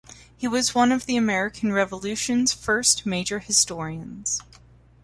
He was one of the American Revolution's first major historians.